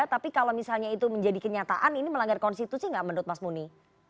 tapi kalau misalnya itu menjadi kenyataan ini melanggar konstitusi nggak menurut mas muni